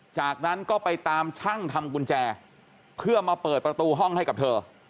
จากนั้นก็ไปตามช่างทำกุญแจเพื่อมาเปิดประตูห้องให้กับเธอ